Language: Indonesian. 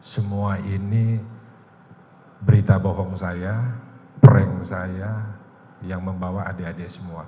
semua ini berita bohong saya prank saya yang membawa adik adik semua